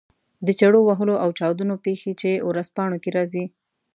د چړو وهلو او چاودنو پېښې چې ورځپاڼو کې راځي.